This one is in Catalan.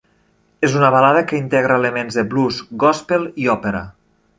És una balada que integra elements de blues, gospel i òpera.